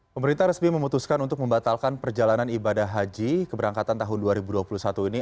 pemerintah resmi memutuskan untuk membatalkan perjalanan ibadah haji keberangkatan tahun dua ribu dua puluh satu ini